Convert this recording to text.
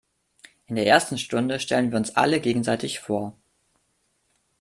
In der ersten Stunde stellen wir uns alle gegenseitig vor.